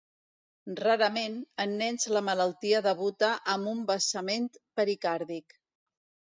Rarament, en nens la malaltia debuta amb un vessament pericàrdic.